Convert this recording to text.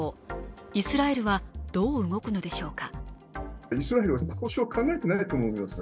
イスラエルはどう動くのでしょうか。